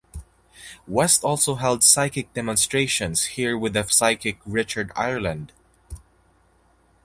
West also held psychic demonstrations here with the psychic Richard Ireland.